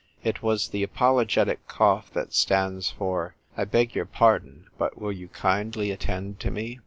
It was the apologetic cough that stands for " I beg your pardon, but will you kindly attend to me